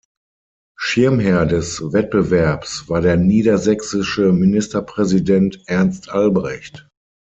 Schirmherr des Wettbewerbs war der niedersächsische Ministerpräsident Ernst Albrecht.